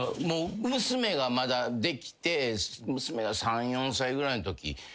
娘がまだできて娘が３４歳ぐらいのとき。